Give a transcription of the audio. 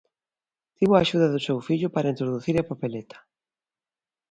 Tivo a axuda do seu fillo para introducir a papeleta.